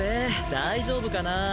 大丈夫かな？